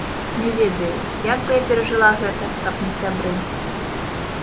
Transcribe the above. Не ведаю, як бы я перажыла гэта, каб не сябры.